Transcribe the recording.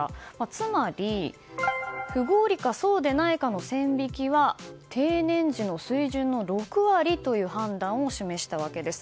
つまり、不合理かそうでないかの線引きは定年時の水準の６割という判断を示したわけです。